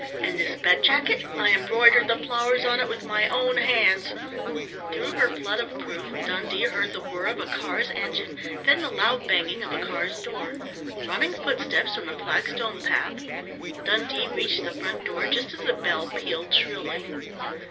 And this bed jacket? I embroidered the flowers on it with my own hands " Through her flood of proof Dundee heard the whir of a car's engine, then the loud banging of a car's door.... Running footsteps on the flagstone path.... Dundee reached the front door just as the bell pealed shrilly.